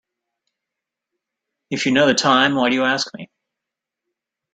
If you know the time why do you ask me?